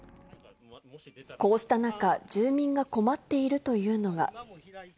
こうした中、住民が困っているというのが。